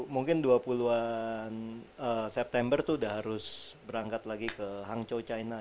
mungkin dua puluh an september itu sudah harus berangkat lagi ke hangzhou china